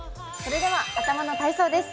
頭の体操です。